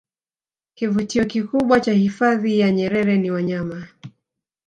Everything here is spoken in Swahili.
kivutio kikubwa cha hifadhi ya nyerer ni wanyama